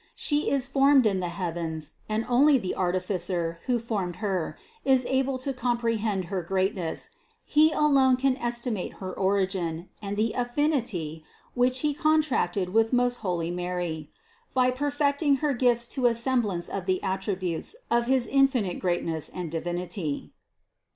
She is formed in the heavens, and only the Artificer who formed Her, is able to comprehend her greatness, He alone can estimate her origin and the affinity, which He contracted with most holy Mary, by perfecting her gifts to a semblance of the attributes of his infinite greatness and Divinity.